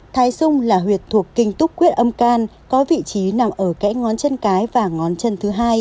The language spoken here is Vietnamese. thái sung là huyệt thuộc kinh túc quyết âm can có vị trí nằm ở kẽ ngón chân cái và ngón chân thứ hai